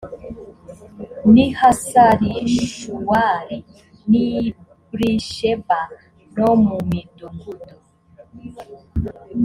n i hasarishuwali n i b risheba no mu midugudu